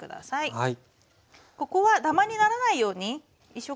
はい。